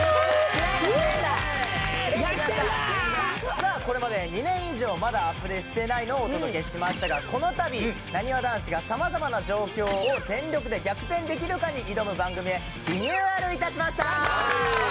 さあこれまで２年以上『まだアプデしてないの？』をお届けしましたがこの度なにわ男子が様々な状況を全力で逆転できるかに挑む番組へリニューアル致しました！